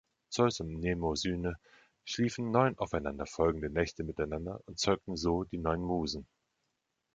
Zeus und Mnemosyne schliefen neun aufeinanderfolgende Nächte miteinander und zeugten so die neun Musen.